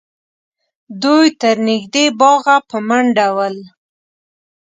دوی تر نږدې باغه په منډه ول